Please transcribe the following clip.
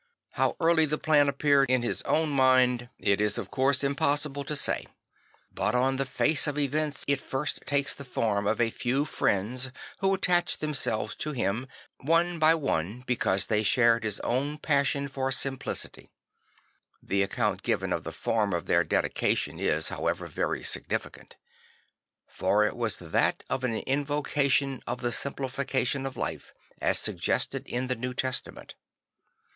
Ho,v early the plan appeared in his own mind E 66 St. Francis of Assisi it is of course impossible to say; but on the face of events it first takes the form of a few friends who attached themselves to him one by one because they shared his own passion for simplicity. The account given of the form of their dedication is, however, very significant; for it was that of an invocation of the simplification of life as suggested in the New Testament.